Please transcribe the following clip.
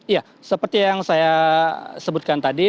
ya seperti yang saya sebutkan tadi